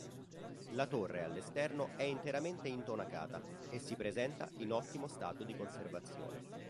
La torre all'esterno è interamente intonacata e si presenta in ottimo stato di conversazione.